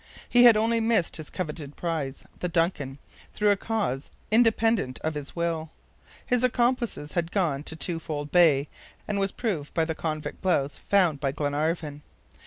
He had only missed his coveted prize, the DUNCAN, through a cause independent of his will. His accomplices had gone to Twofold Bay, as was proved by the convict blouse found by Glenarvan.